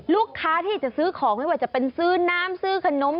ลูกค้าที่จะซื้อของไม่ว่าจะเป็นซื้อน้ำซื้อขนม